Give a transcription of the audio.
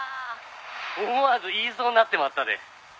「思わず言いそうになってまったで」